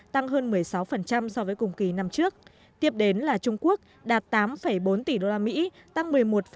tăng hơn một mươi sáu so với cùng kỳ năm trước tiếp đến là trung quốc đạt tám bốn tỷ usd tăng một mươi một bốn